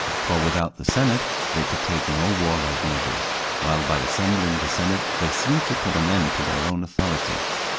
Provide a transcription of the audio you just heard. For without the senate they could take no warlike measures, while by assembling the senate they seemed to put an end to their own authority.